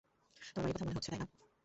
তোমার বাড়ির কথা মনে হচ্ছে, তাইনা?